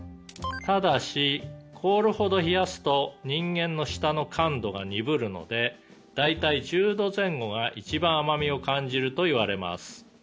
「ただし凍るほど冷やすと人間の舌の感度が鈍るので大体１０度前後が一番甘味を感じるといわれます」